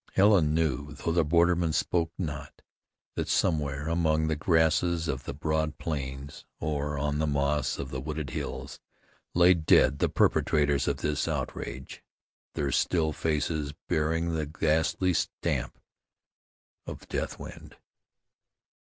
Helen knew, though the borderman spoke not, that somewhere among the grasses of the broad plains, or on the moss of the wooded hills, lay dead the perpetrators of this outrage, their still faces bearing the ghastly stamp of Deathwind.